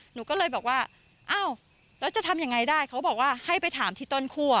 หนูก็เลยบอกว่าอ้าวแล้วจะทำยังไงได้เขาบอกว่าให้ไปถามที่ต้นคั่ว